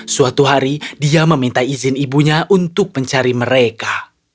suatu hari dia meminta izin ibunya untuk mencari mereka